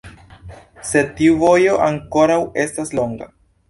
Sed tiu vojo ankoraŭ estas longa.